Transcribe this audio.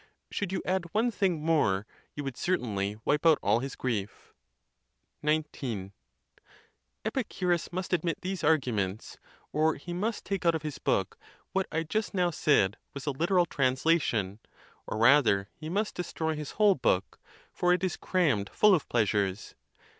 Should you add one thing more, you would cer tainly wipe out all his grief. 110 THE TUSCULAN DISPUTATIONS. XIX. Epicurus must admit these arguments, or he must take out of his book what I just now said was a literal translation; or, rather, he must destroy his whole book, for it is crammed full of pleasures.